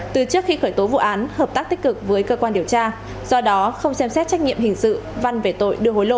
từ trước khi khởi tố vụ án hợp tác tích cực với cơ quan điều tra do đó không xem xét trách nhiệm hình sự văn về tội đưa hối lộ